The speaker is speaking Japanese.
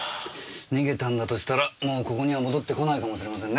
逃げたんだとしたらもうここには戻ってこないかもしれませんね。